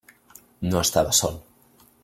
No estava sol.